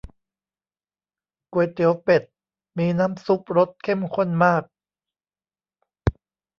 ก๋วยเตี๋ยวเป็ด มีน้ำซุปรสเข้มข้นมาก